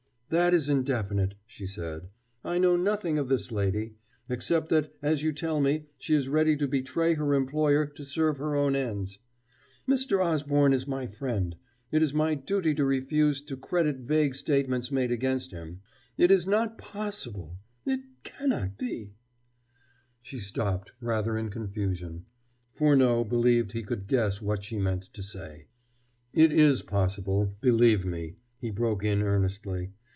"That is indefinite," she said. "I know nothing of this lady, except that, as you tell me, she is ready to betray her employer to serve her own ends. Mr. Osborne is my friend: it is my duty to refuse to credit vague statements made against him. It is not possible it cannot be " She stopped, rather in confusion. Furneaux believed he could guess what she meant to say. "It is possible, believe me," he broke in earnestly.